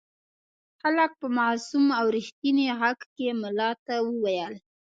هلک په معصوم او رښتیني غږ کې ملا ته وویل.